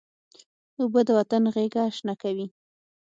اوبه د وطن غیږه شنه کوي.